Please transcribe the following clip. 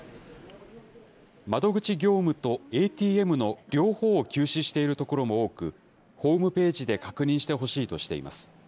窓口業務とＡＴＭの両方を休止しているところも多く、ホームページで確認してほしいとしています。